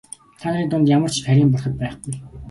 Та нарын дунд ямар ч харийн бурхад байхгүй.